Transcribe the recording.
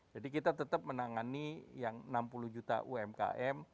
jadi kita tetap menangani yang rp enam puluh juta umkm